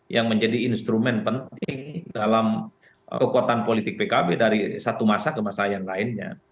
yang menjadi instrumen penting dalam kekuatan politik pkb dari satu masa ke masa yang lainnya